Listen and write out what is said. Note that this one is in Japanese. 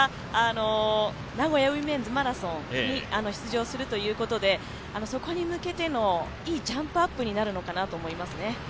また、名古屋ウィメンズマラソンに出場するということでそこに向けてのいいジャンプアップになるのかなと思います。